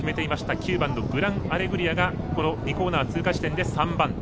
９番グランアレグリアが２コーナー地点で３番手。